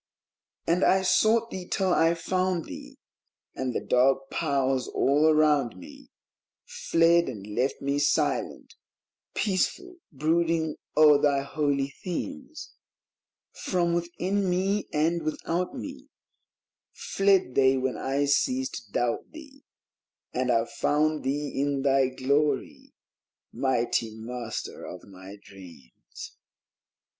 And I sought thee till I found thee; And the dark Powers all around me Fled and left me silent, peaceful, brooding oer thy holy themes ; From within me and without me Fled they when I ceased to doubt thee ; And I found thee in thy Glory, mighty Master of my dreams